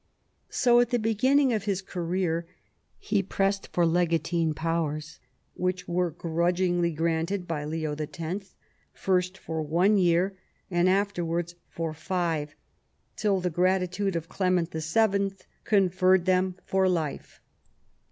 So at the beginning of his career he pressed for legatine powers, which were grudgingly granted by Leo X., first for one year, and afterwards for five; till the gratitude of Clement VII. conferred them for life.